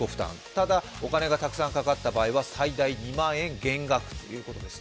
ただ、お金がたくさんかかった場合は最大２万円減額ということです。